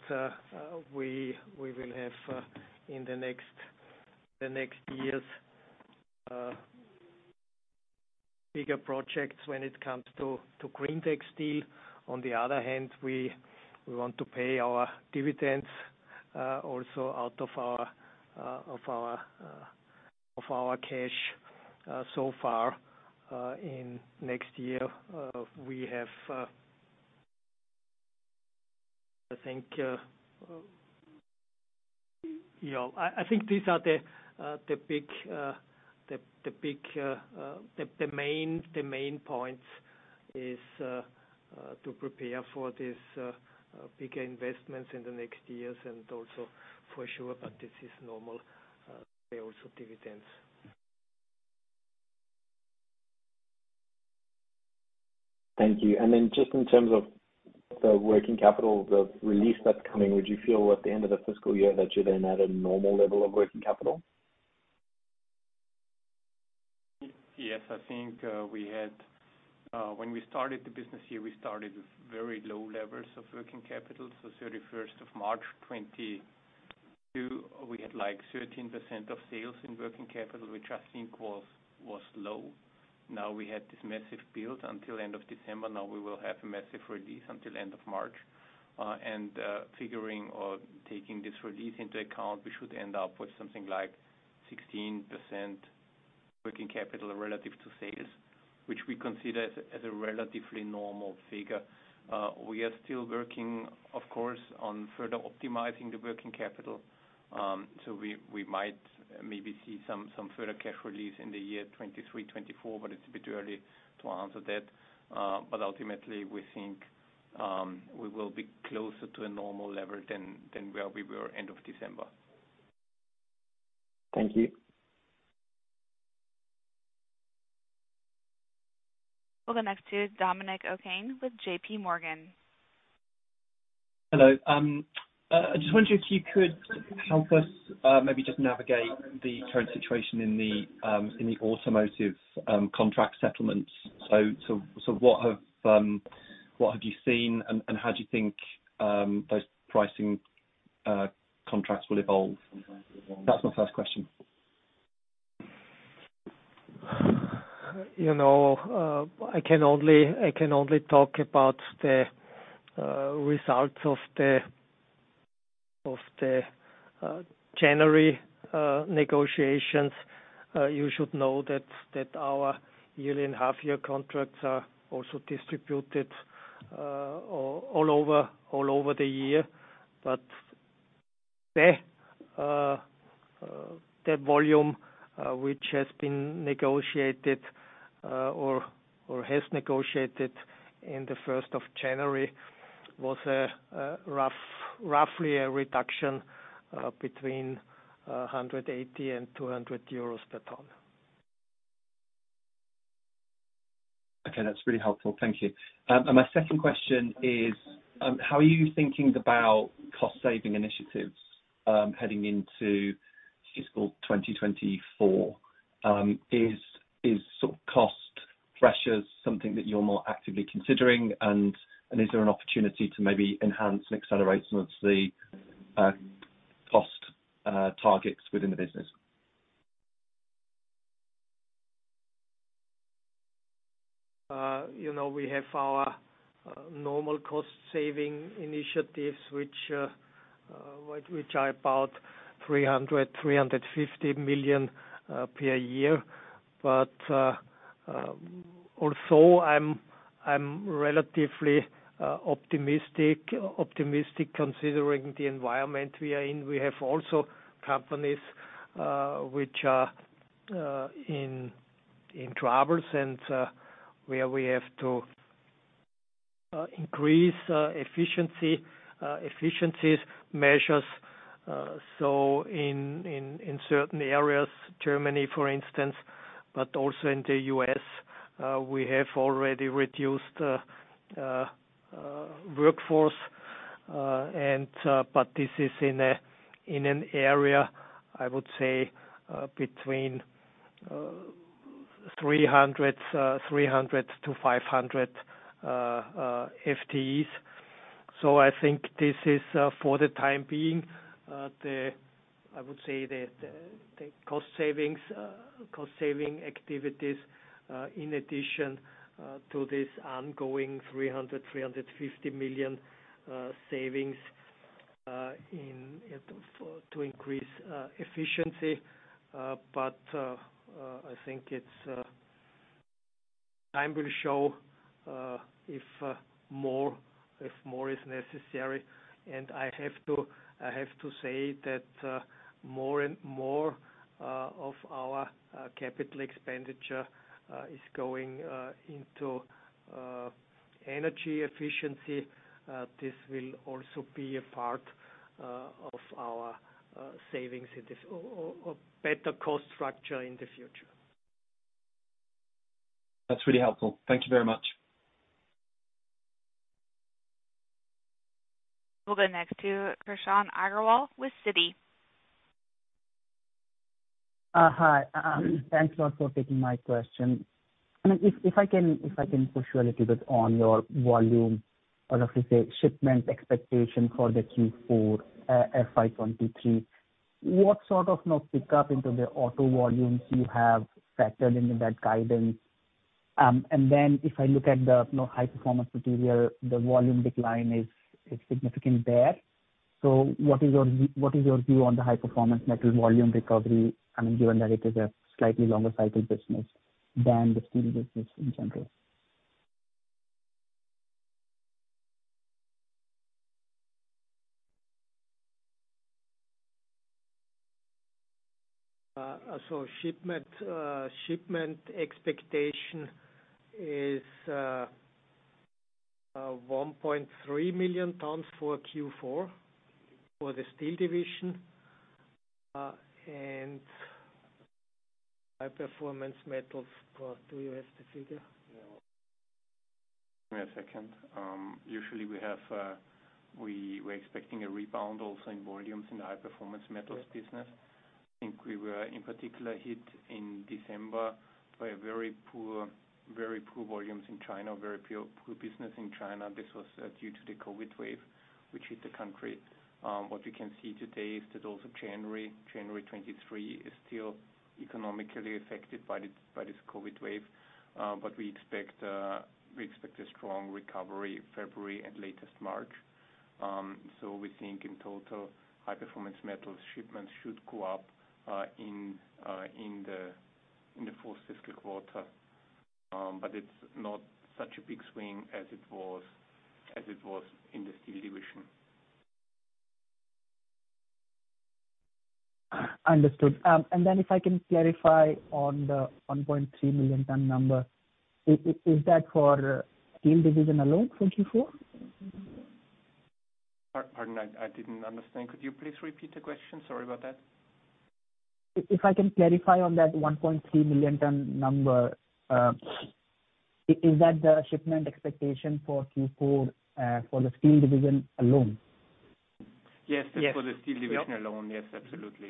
Speaker 3: we will have in the next years bigger projects when it comes to greentec steel. On the other hand, we want to pay our dividends also out of our cash so far. In next year, we have, I think, you know, I think these are the main points is to prepare for this bigger investments in the next years and also for sure, but this is normal, pay also dividends.
Speaker 7: Thank you. Just in terms of the working capital, the release that's coming, would you feel at the end of the fiscal year that you're then at a normal level of working capital?
Speaker 2: Yes, I think, we had when we started the business here, we started with very low levels of working capital. 31st of March 2022, we had, like, 13% of sales in working capital, which I think was low. We had this massive build until end of December. We will have a massive release until end of March. Figuring or taking this release into account, we should end up with something like 16% working capital relative to sales, which we consider as a relatively normal figure. We are still working, of course, on further optimizing the working capital, we might maybe see some further cash release in the year 2023, 2024, it's a bit early to answer that. Ultimately, we think, we will be closer to a normal level than where we were end of December.
Speaker 7: Thank you.
Speaker 1: We'll go next to Dominic O'Kane with JPMorgan.
Speaker 8: Hello. I just wonder if you could help us, maybe just navigate the current situation in the automotive contract settlements. What have you seen and how do you think those pricing contracts will evolve? That's my first question.
Speaker 3: You know, I can only talk about the results of the January negotiations. You should know that our yearly and half year contracts are also distributed all over the year. The volume which has been negotiated or has negotiated in the first of January was roughly a reduction between 180 and 200 euros per ton.
Speaker 8: Okay, that's really helpful. Thank you. My second question is, how are you thinking about cost saving initiatives, heading into fiscal 2024? Is sort of cost pressures something that you're more actively considering? Is there an opportunity to maybe enhance and accelerate some of the, cost, targets within the business?
Speaker 3: You know, we have our normal cost saving initiatives, which are about 300 million-350 million per year. Also I'm relatively optimistic considering the environment we are in. We have also companies which are in troubles and where we have to increase efficiencies measures. So in certain areas, Germany for instance, but also in the U.S., we have already reduced workforce. This is in an area, I would say, between 300-500 FTEs. I think this is, for the time being, the cost saving activities, in addition to this ongoing 300 million-350 million savings to increase efficiency. I think it's time will show if more is necessary. I have to say that more and more of our CapEx is going into Energy efficiency, this will also be a part of our savings in this or better cost structure in the future.
Speaker 8: That's really helpful. Thank you very much.
Speaker 1: We'll go next to Krishan Agarwal with Citi.
Speaker 9: Hi. Thanks a lot for taking my question. I mean, if I can push you a little bit on your volume, or let me say, shipment expectation for the Q4 FY 2023. What sort of no pickup into the auto volumes you have factored into that guidance? If I look at the, you know, High Performance Metals, the volume decline is significant there. What is your view on the High Performance Metals volume recovery, I mean, given that it is a slightly longer cycle business than the steel business in general?
Speaker 3: Shipment expectation is 1.3 million tons for Q4 for the Steel Division. High Performance Metals, do you have the figure?
Speaker 2: Give me a second. Usually we have, we're expecting a rebound also in volumes in the High Performance Metals business. I think we were in particular hit in December by a very poor volumes in China, very poor business in China. This was due to the COVID wave, which hit the country. What we can see today is that also January 23 is still economically affected by this COVID wave. We expect a strong recovery February and latest March. We think in total High Performance Metals shipments should go up in the fourth fiscal quarter. It's not such a big swing as it was in the Steel Division.
Speaker 9: Understood. If I can clarify on the 1.3 million ton number. Is that for Steel Division alone, 2024?
Speaker 2: pardon? I didn't understand. Could you please repeat the question? Sorry about that.
Speaker 9: If I can clarify on that 1.3 million ton number, is that the shipment expectation for Q4, for the Steel Division alone?
Speaker 2: Yes.
Speaker 3: Yes.
Speaker 2: That's for the Steel Division alone. Yes, absolutely.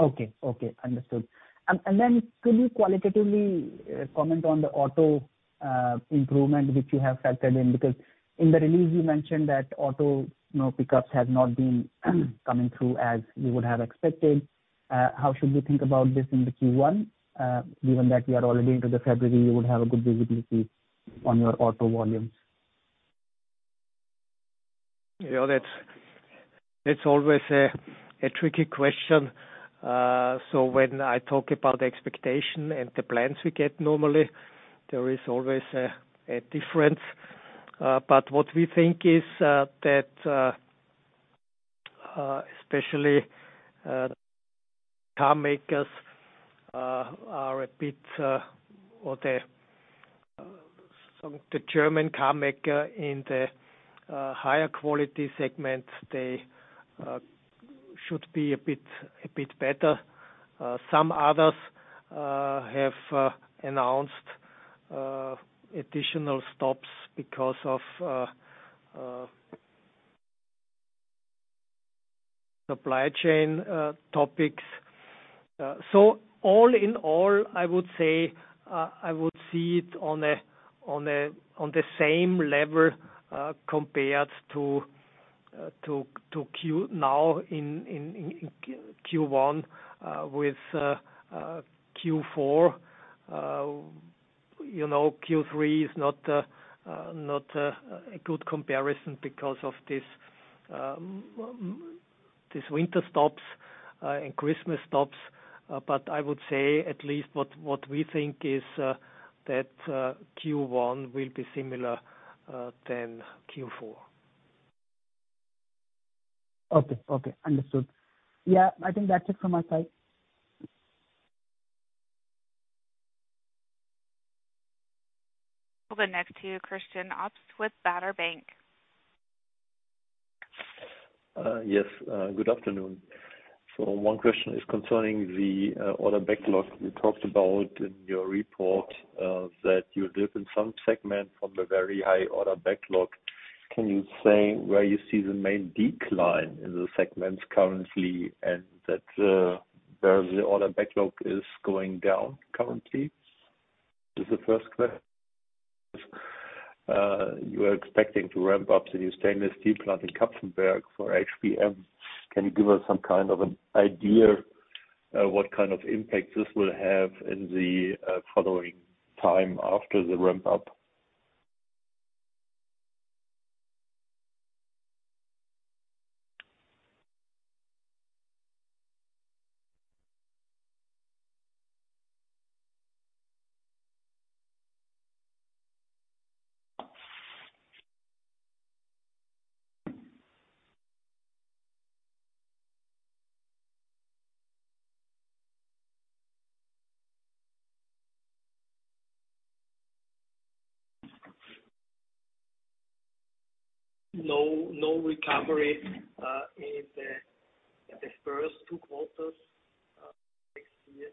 Speaker 9: Okay. Understood. Could you qualitatively comment on the auto improvement which you have factored in? Because in the release you mentioned that auto, you know, pickups have not been coming through as you would have expected. How should we think about this in the Q1, given that we are already into the February, you would have a good visibility on your auto volumes?
Speaker 3: You know, that's always a tricky question. When I talk about expectation and the plans we get normally, there is always a difference. What we think is that especially car makers are a bit or the German car maker in the higher quality segment, they should be a bit better. Some others have announced additional stops because of supply chain topics. All in all, I would say, I would see it on the same level compared to Q now in Q1 with Q4. You know, Q3 is not a good comparison because of this winter stops and Christmas stops. I would say at least what we think is that Q1 will be similar than Q4.
Speaker 9: Okay. Okay. Understood. Yeah. I think that's it from my side.
Speaker 1: We'll go next to Christian Obst with Baader Bank.
Speaker 10: Yes. Good afternoon. One question is concerning the order backlog. You talked about in your report that you're deep in some segments from the very high order backlog. Can you say where you see the main decline in the segments currently and that where the order backlog is going down currently? You are expecting to ramp up the new stainless steel plant in Kapfenberg for HPM. Can you give us some kind of an idea what kind of impact this will have in the following time after the ramp up?
Speaker 3: No, no recovery, in the first two quarters, next year.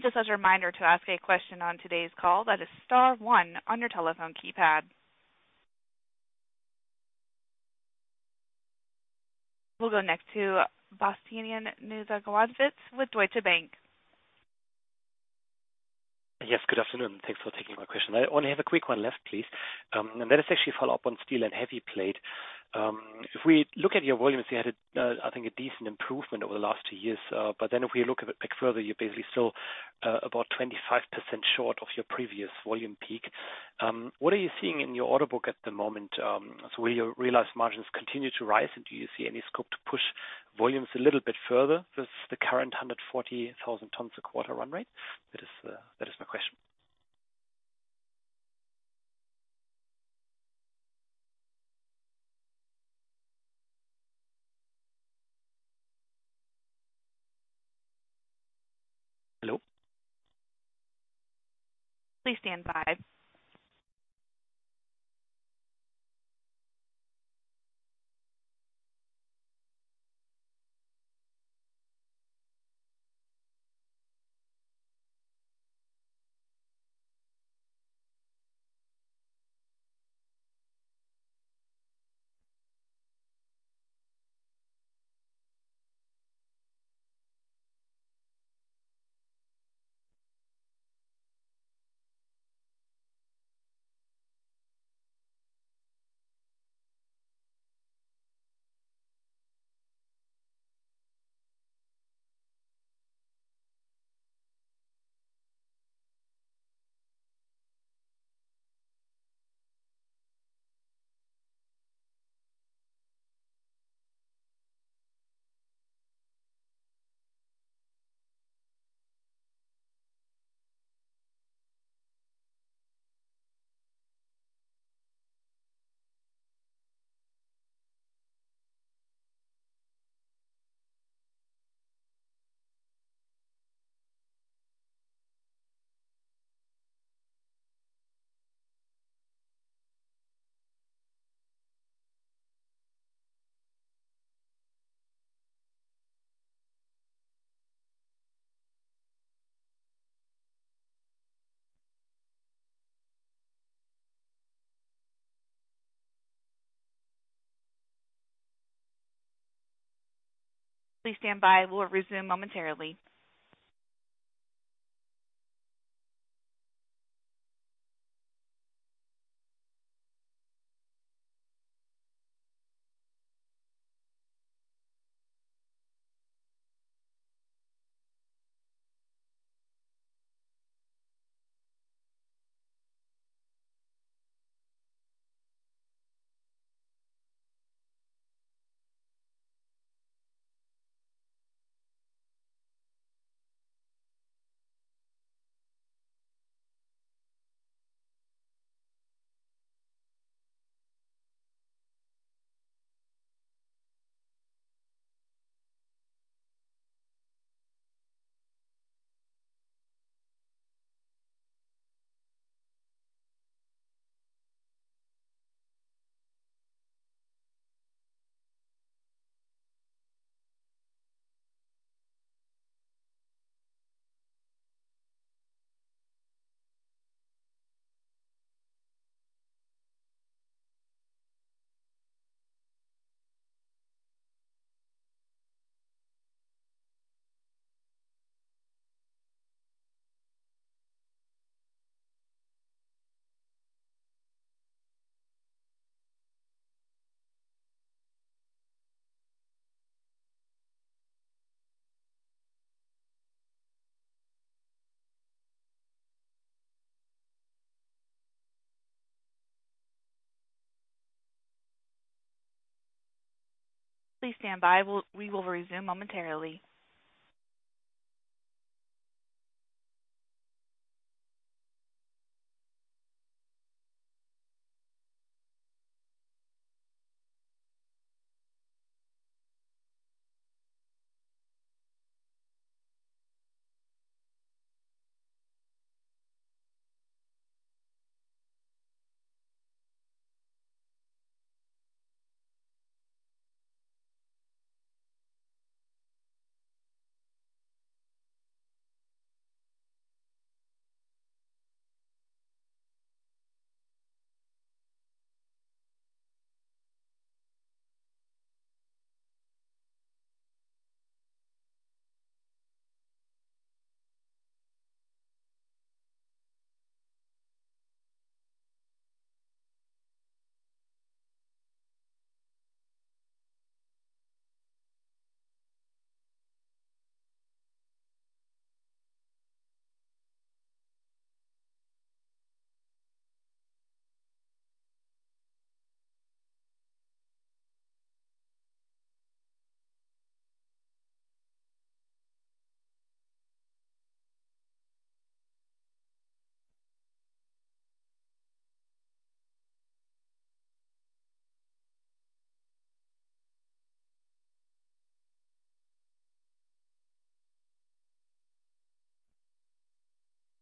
Speaker 1: Just as a reminder to ask a question on today's call, that is star one on your telephone keypad. We'll go next to Bastian Synagowitz with Deutsche Bank.
Speaker 11: Yes, good afternoon. Thanks for taking my question. I only have a quick one left, please. That is actually a follow-up on steel and heavy plate. If we look at your volumes, you had a, I think a decent improvement over the last two years. If we look at it back further, you're basically still, about 25% short of your previous volume peak. What are you seeing in your order book at the moment? Will your realized margins continue to rise, and do you see any scope to push volumes a little bit further versus the current 140,000 tons a quarter run rate? That is, that is my question. Hello?
Speaker 1: Please stand by. Please stand by. We'll resume momentarily. Please stand by. We will resume momentarily.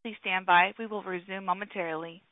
Speaker 1: Please stand by. We will resume momentarily.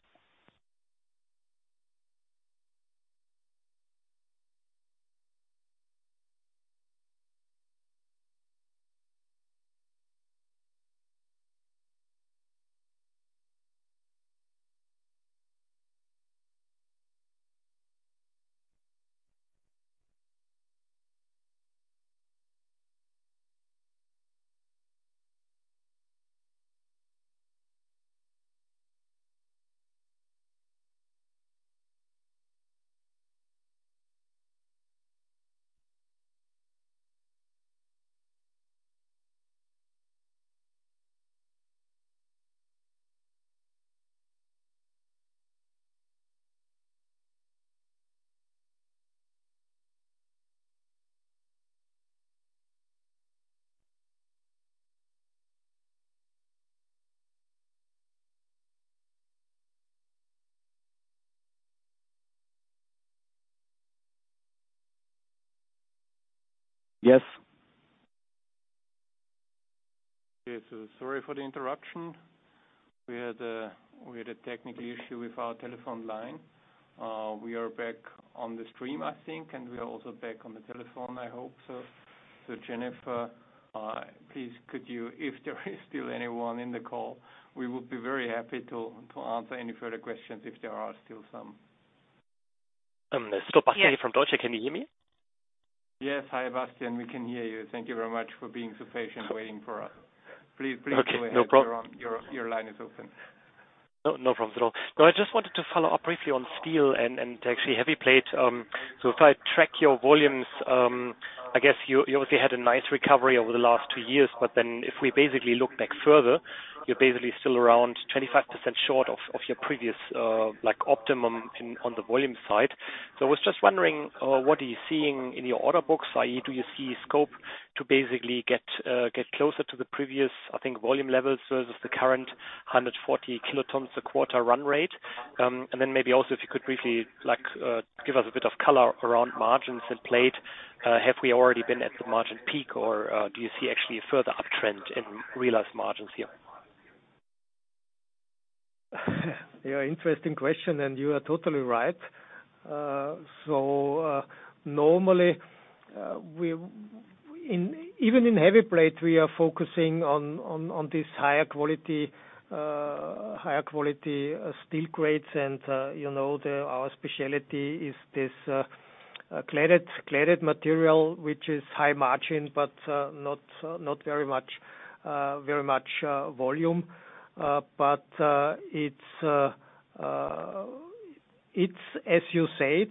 Speaker 11: Yes.
Speaker 3: Yes. Sorry for the interruption. We had a technical issue with our telephone line. We are back on the stream, I think, and we are also back on the telephone, I hope so. Jennifer, please if there is still anyone in the call, we would be very happy to answer any further questions if there are still some.
Speaker 11: This is Scott Bastian from Deutsche. Can you hear me?
Speaker 3: Yes. Hi, Bastian. We can hear you. Thank you very much for being so patient, waiting for us. Please go ahead.
Speaker 11: Okay. No problem.
Speaker 3: Your line is open.
Speaker 11: No problems at all. I just wanted to follow up briefly on steel and actually heavy plate. If I track your volumes, I guess you obviously had a nice recovery over the last two years, but then if we basically look back further, you're basically still around 25% short of your previous like optimum on the volume side. I was just wondering, what are you seeing in your order books? Do you see scope to basically get closer to the previous, I think, volume levels versus the current 140 kilotons a quarter run rate? Maybe also if you could briefly like give us a bit of color around margins and plate. Have we already been at the margin peak, or do you see actually a further uptrend in realized margins here?
Speaker 3: Yeah, interesting question. You are totally right. Normally, even in heavy plate, we are focusing on this higher quality, higher quality steel grades. You know, our speciality is this cladded material, which is high margin, but not very much volume. It's as you said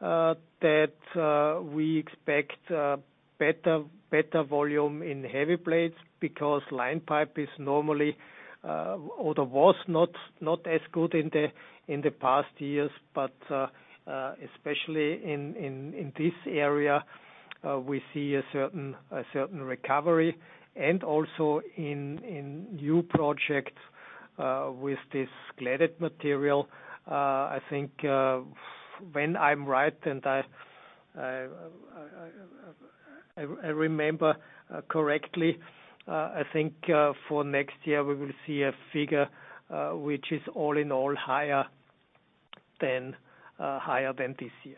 Speaker 3: that we expect better volume in heavy plates because line pipe is normally, or the was not as good in the past years. Especially in this area, we see a certain recovery and also in new projects with this cladded material. I think, when I'm right and I remember correctly, I think, for next year, we will see a figure, which is all in all higher than this year.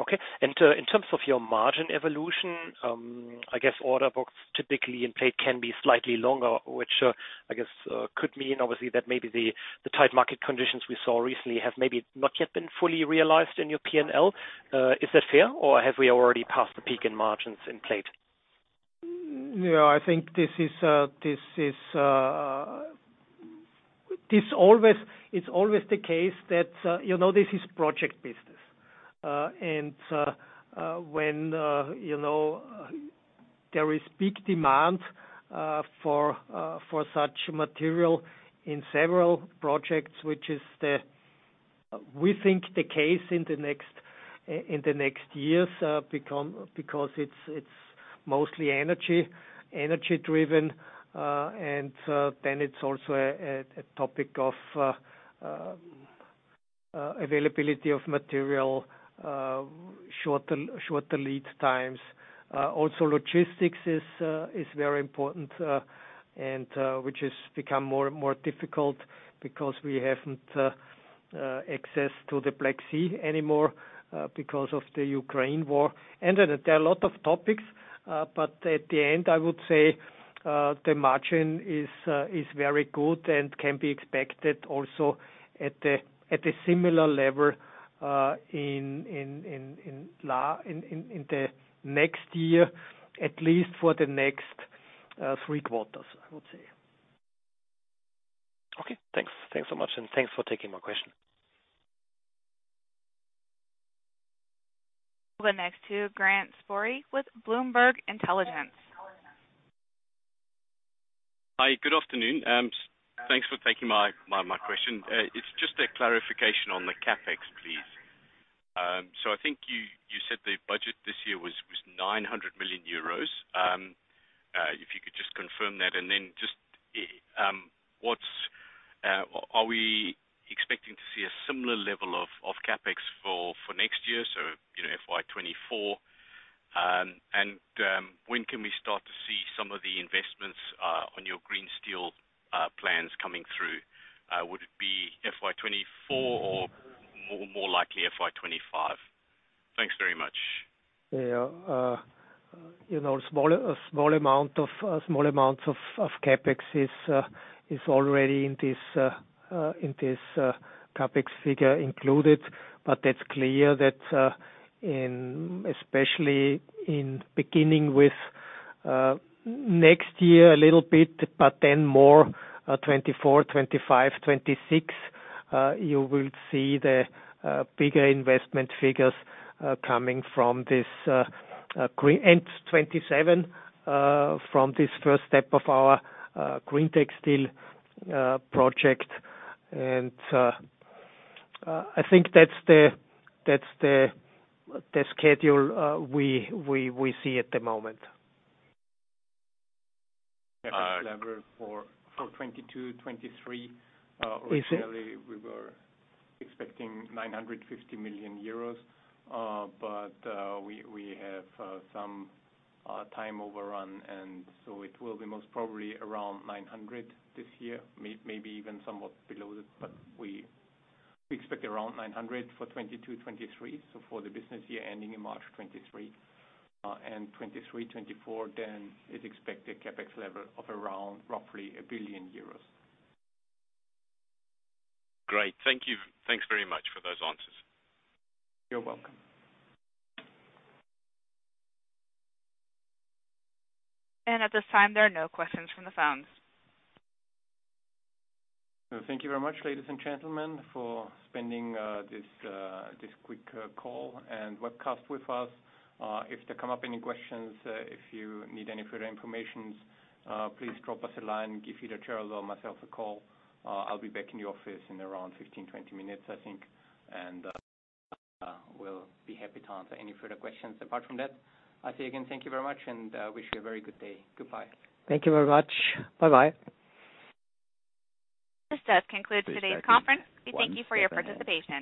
Speaker 11: Okay. In terms of your margin evolution, I guess order books typically in plate can be slightly longer, which, I guess, could mean obviously that maybe the tight market conditions we saw recently have maybe not yet been fully realized in your P&L. Is that fair, or have we already passed the peak in margins in plate?
Speaker 3: Yeah, I think this is, it's always the case that, you know, this is project business. When, you know, there is big demand for such material in several projects, we think the case in the next years, because it's mostly energy driven. Then it's also a topic of availability of material, shorter lead times. Also logistics is very important, and which has become more and more difficult because we haven't access to the Black Sea anymore, because of the Ukraine war. There are a lot of topics, but at the end, I would say, the margin is very good and can be expected also at a similar level in the next year, at least for the next three quarters, I would say.
Speaker 11: Okay, thanks. Thanks so much, and thanks for taking my question.
Speaker 1: The next to Grant Sporre with Bloomberg Intelligence.
Speaker 12: Hi, good afternoon. Thanks for taking my question. It's just a clarification on the CapEx, please. I think you said the budget this year was 900 million euros. If you could just confirm that, and then just, what's. Are we expecting to see a similar level of CapEx for next year, so, you know, FY 2024? When can we start to see some of the investments on your green steel plans coming through? Would it be FY 2024 or more likely FY 2025? Thanks very much.
Speaker 3: Yeah. you know, a small amount of CapEx is already in this CapEx figure included. It's clear that, especially in beginning with next year a little bit, but then more, 2024, 2025, 2026, you will see the bigger investment figures coming from this, and 2027, from this first step of our greentec steel project. I think that's the schedule we see at the moment.
Speaker 12: Uh-
Speaker 2: CapEx level for 2022, 2023.
Speaker 3: Is it-
Speaker 2: Originally we were expecting 950 million euros, but we have some time overrun, and so it will be most probably around 900 million this year, maybe even somewhat below it. We expect around 900 million for 2022, 2023, so for the business year ending in March 2023. 2023, 2024 then is expected CapEx level of around roughly 1 billion euros.
Speaker 12: Great. Thank you. Thanks very much for those answers.
Speaker 2: You're welcome.
Speaker 1: At this time, there are no questions from the phones.
Speaker 2: Thank you very much, ladies and gentlemen, for spending this quick call and webcast with us. If there come up any questions, if you need any further information, please drop us a line. Give either Herber or myself a call. I'll be back in the office in around 15, 20 minutes, I think. We'll be happy to answer any further questions. Apart from that, I say again, thank you very much, and wish you a very good day. Goodbye.
Speaker 3: Thank you very much. Bye-bye.
Speaker 1: This does conclude today's conference. We thank you for your participation.